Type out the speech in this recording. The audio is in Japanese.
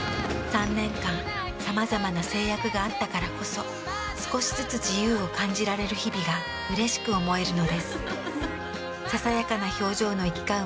３年間さまざまな制約があったからこそ少しずつ自由を感じられる日々がうれしく思えるのです。